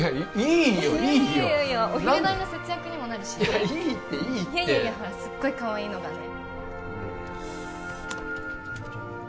いやいやお昼代の節約にもなるしいいっていいってすっごいかわいいのがね